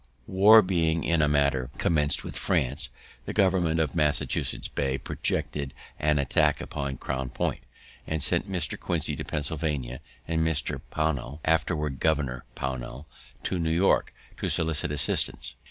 War being in a manner commenced with France, the government of Massachusetts Bay projected an attack upon Crown Point, and sent Mr. Quincy to Pennsylvania, and Mr. Pownall, afterward Governor Pownall, to New York, to solicit assistance.